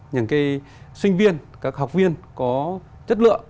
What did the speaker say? những sinh viên các học viên có chất lượng